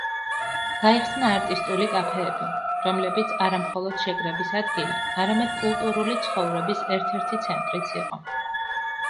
გაიხსნა არტისტული კაფეები, რომლებიც არა მხოლოდ შეკრების ადგილი, არამედ კულტურული ცხოვრების ერთ-ერთი ცენტრიც იყო.